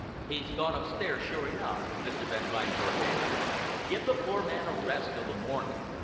"He's gone upstairs, sure enough," Mr. Van Reinberg answered. "Give the poor man a rest till the morning.